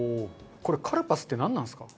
これカルパスってなんなんですか？